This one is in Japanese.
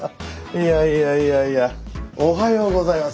いやいやいやいやおはようございます。